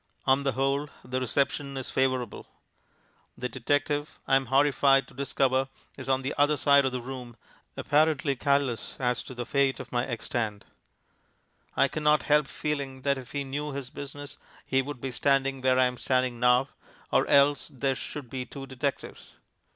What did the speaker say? On the whole the reception is favourable. The detective, I am horrified to discover, is on the other side of the room, apparently callous as to the fate of my egg stand. I cannot help feeling that if he knew his business he would be standing where I am standing now; or else there should be two detectives.